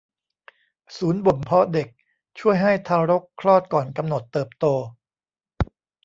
ศูนย์บ่มเพาะเด็กช่วยให้ทารกคลอดก่อนกำหนดเติบโต